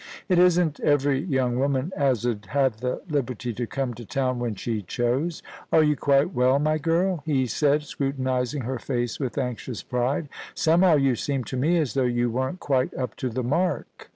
' It isn't every young woman as 'ud have the liberty to come to town when she chose. Are you quite well, my girl ?* he said, scrutinising her face with anxious pride. * Somehow you seem to me as though you weren't quite up to the mark.'